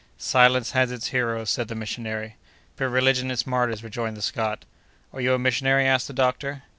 "Science has its heroes," said the missionary. "But religion its martyrs!" rejoined the Scot. "Are you a missionary?" asked the doctor.